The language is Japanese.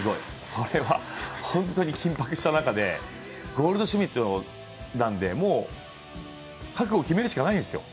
これは本当に緊迫した中で、ゴールドシュミットなんで、もう覚悟を決めるしかないんですよ。